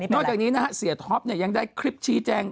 นอกจากนี้เสียท็อปเนี่ยยังได้คลิปชี้แจ้ง